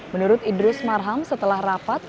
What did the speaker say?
menurut idrus marham setelah rapat